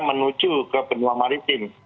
menuju ke benua maritim